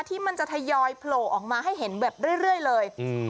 ที่มันจะทยอยโผล่ออกมาให้เห็นแบบเรื่อยเลยอืม